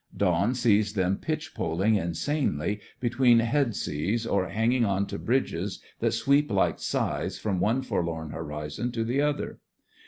Dawn sees them pitch poling insanely between head seas, or hanging on to bridges that sweep like scythes from one forlorn horizon to the other.